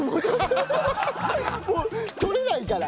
もう取れないから。